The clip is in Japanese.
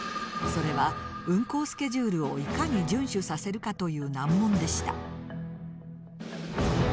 それは運行スケジュールをいかに遵守させるかという難問でした。